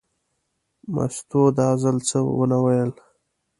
مستو دا ځل څه ونه ویل.